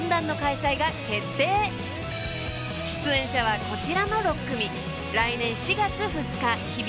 ［出演者はこちらの６組］